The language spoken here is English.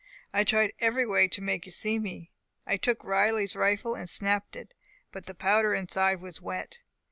I tried every way to make you see me. I took Riley's rifle, and snapped it, but the powder inside was wet.